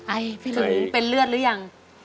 ไอ้พี่หลงเป็นเลือดหรือยัง